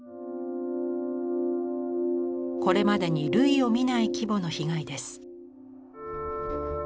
これまでに類を見ない規模の被害です。